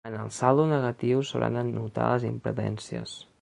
En el saldo negatiu s’hauran d’anotar les imprudències.